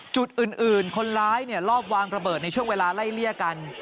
จุดอื่นคนร้ายรอบวางระเบิดในช่วงเวลาไล่เลี่ยกัน